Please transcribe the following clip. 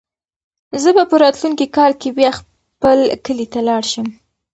زه به په راتلونکي کال کې بیا خپل کلي ته لاړ شم.